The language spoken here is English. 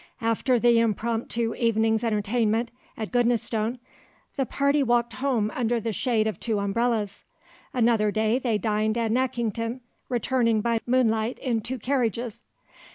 After the impromptu evening's entertainment at Goodnestone the party walked home under the shade of two umbrellas. Another day they dined at Nackington, returning by moonlight in two carriages.